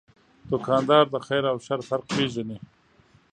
دوکاندار د خیر او شر فرق پېژني.